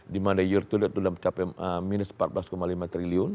dimana year to date sudah mencapai minus rp empat belas lima triliun